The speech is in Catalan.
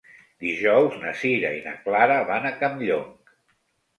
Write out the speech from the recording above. Dijous na Sira i na Clara van a Campllong.